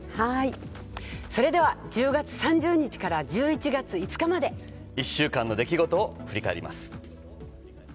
それでは１０月３１日から１１月５日まで１週間の出来事を振り返ります。